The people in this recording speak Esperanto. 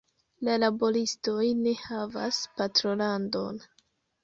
La laboristoj ne havas patrolandon.